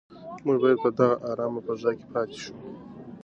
موږ باید په دغه ارامه فضا کې پاتې شو.